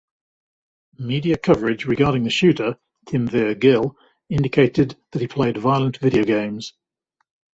Media coverage regarding the shooter, Kimveer Gill, indicated that he played violent video games.